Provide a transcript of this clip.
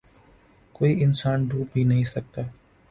کوئی انسان ڈوب بھی نہیں سکتا